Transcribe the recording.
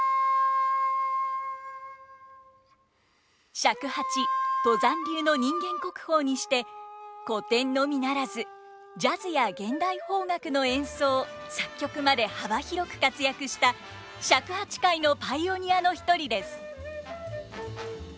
尺八都山流の人間国宝にして古典のみならずジャズや現代邦楽の演奏作曲まで幅広く活躍した尺八界のパイオニアの一人です。